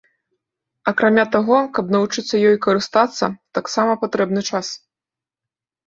Акрамя таго, каб навучыцца ёй карыстацца, таксама патрэбны час.